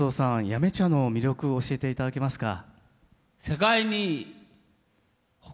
八女茶の魅力を教えて頂けますか？